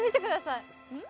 うん？